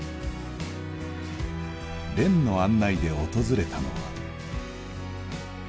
蓮の案内で訪れたのは。